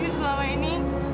jadi selama ini